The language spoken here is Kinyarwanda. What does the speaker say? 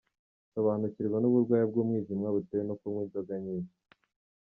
Sobanukirwa n’uburwayi bw’umwijima butewe no kunywa inzoga nyinshi